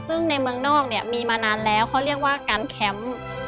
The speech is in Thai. ซึ่งในเมืองนอกเนี่ยมีมานานแล้วเขาเรียกว่าการแคมป์